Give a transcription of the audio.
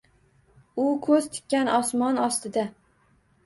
U ko’z tikkan osmon ostida